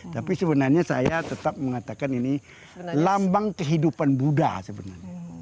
tapi sebenarnya saya tetap mengatakan ini lambang kehidupan buddha sebenarnya